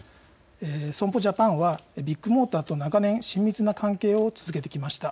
損保ジャパンはビッグモーターと長年、親密な関係を続けてきました。